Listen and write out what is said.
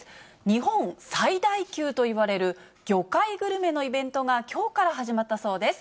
日本最大級といわれる魚介グルメのイベントが、きょうから始まったそうです。